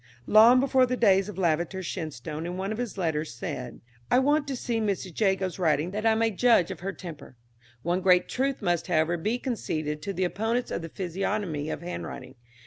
"Long before the days of Lavater, Shenstone in one of his letters said, 'I want to see Mrs. Jago's writing that I may judge of her temper.' "One great truth must, however, be conceded to the opponents of the physiognomy of handwriting.